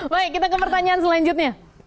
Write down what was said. baik kita ke pertanyaan selanjutnya